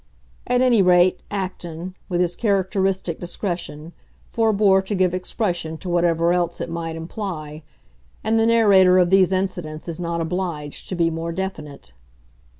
At any rate, Acton, with his characteristic discretion, forbore to give expression to whatever else it might imply, and the narrator of these incidents is not obliged to be more definite.